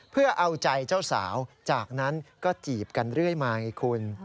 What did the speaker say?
เพื่อเอาใจเจ้าสาวจากนั้นก็จีบกันเรื่อยมาไงคุณ